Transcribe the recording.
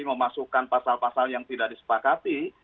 memasukkan pasal pasal yang tidak disepakati